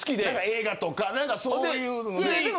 映画とかなんかそういうので。